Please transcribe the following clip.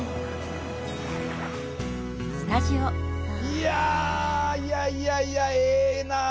いやいやいやいやええな。